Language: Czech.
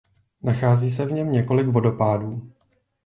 Nachází se v něm několik vodopádů.